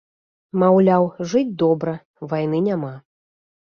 Маўляў, жыць добра, вайны няма.